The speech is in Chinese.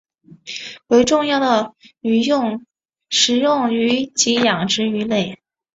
为重要的食用鱼及养殖鱼类。